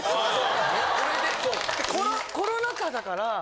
コロナ禍だから。